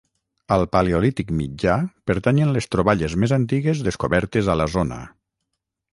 Al Paleolític mitjà pertanyen les troballes més antigues descobertes a la zona.